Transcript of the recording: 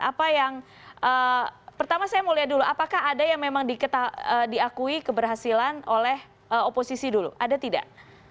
apa yang pertama saya mau lihat dulu apakah ada yang memang diakui keberhasilan oleh oposisi dulu ada tidak